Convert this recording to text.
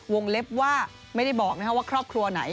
วงเล็บว่าไม่ได้บอกนะครับว่าครอบครัวไหน